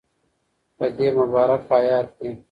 په دی مبارک ایت کی